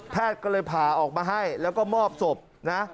ก็เลยผ่าออกมาให้แล้วก็มอบศพนะ